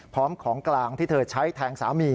ของกลางที่เธอใช้แทงสามี